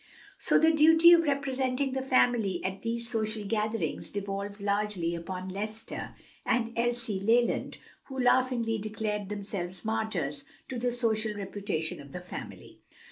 So the duty of representing the family at these social gatherings devolved largely upon Lester and Elsie Leland, who laughingly declared themselves martyrs to the social reputation of the family.